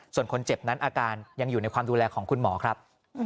ส่วนคนเจ็บนั้นอาการยังอยู่ในความดูแลของคุณหมอครับ